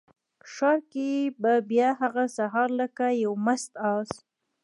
ښار کې به بیا هغه سهار لکه یو مست آس،